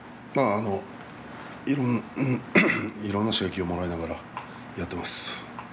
いろんな刺激をもらいながらやっています。